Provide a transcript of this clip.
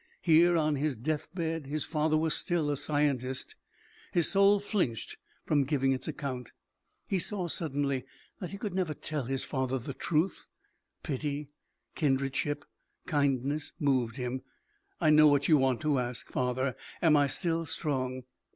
Here, on his death bed, his father was still a scientist. His soul flinched from giving its account. He saw suddenly that he could never tell his father the truth; pity, kindredship, kindness, moved him. "I know what you wanted to ask, father. Am I still strong?"